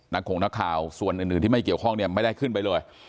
ของนักข่าวส่วนอื่นที่ไม่เกี่ยวข้องเนี่ยไม่ได้ขึ้นไปเลย